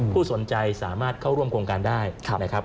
ผู้สนใจสามารถเข้าร่วมโครงการได้นะครับ